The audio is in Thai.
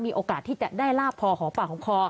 มีโอกาสที่จะได้ลาบพอหอมปากหอมคอ